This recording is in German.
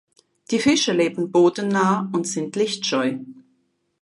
Die Fische leben bodennah und sind lichtscheu.